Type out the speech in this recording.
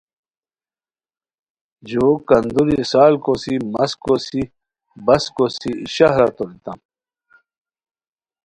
جوؤ کندوری سال کوسی مس کوسی بس کوسی ای شہرہ توریتام